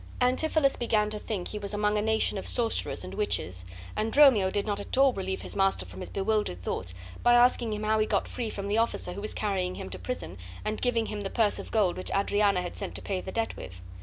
Antipholus began to think he was among a nation of sorcerers and witches, and Dromio did not at all relieve his master from his bewildered thoughts by asking him how he got free from the officer who was carrying him to prison, and giving him the purse of gold which Adriana had sent to pay the debt with.